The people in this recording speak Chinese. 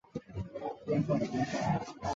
通气管是指使用在潜艇的通气设备。